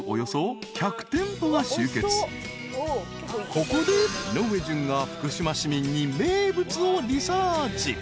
［ここで井上順が福島市民に名物をリサーチ］